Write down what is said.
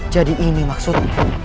jadi ini maksud